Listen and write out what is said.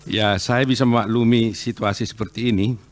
ya saya bisa memaklumi situasi seperti ini